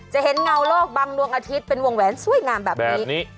จะเห็นเงาโลกบังดวงอาทิตย์เป็นวงแหวนสวยงามแบบนี้